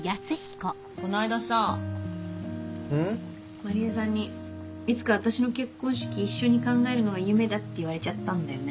万里江さんにいつか私の結婚式一緒に考えるのが夢だって言われちゃったんだよね。